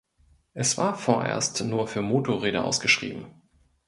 Es war vorerst nur für Motorräder ausgeschrieben.